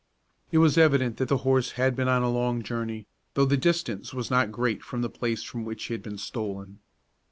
It was evident that the horse had been on a long journey, though the distance was not great from the place from which he had been stolen.